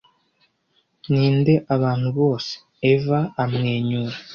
ninde abantu bose »eva amwenyura